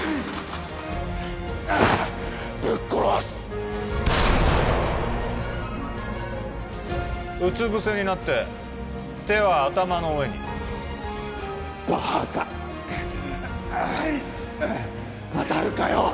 ぶっ殺すうつ伏せになって手は頭の上にバーカ当たるかよ